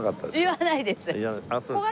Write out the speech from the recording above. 言わないです。